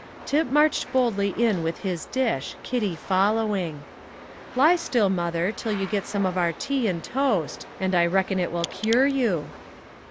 Tip marched boldly in with his dish, Kitty following. "Lie still, mother, till you get some of our tea and toast, and I reckon it will cure you."